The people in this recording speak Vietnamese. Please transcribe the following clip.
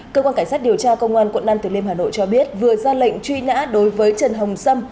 cơ quan cảnh sát điều tra công an quận năm tuyệt liên hà nội cho biết vừa ra lệnh truy nã đối với trần hồng sâm